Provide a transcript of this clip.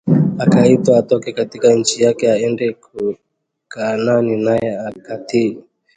Akaitwa atoke katika nchi yake aende Kaanani naye akatii